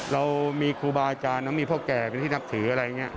เรามีครูบาอาจารย์เรามีพ่อแก่เป็นที่นับถืออะไรอย่างนี้